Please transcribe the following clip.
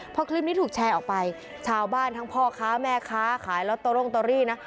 พอคลิปนี้ถูกแชร์ออกไปชาวบ้านทั้งพ่อค้าแม่ค้าขายลอตเตอรี่นะ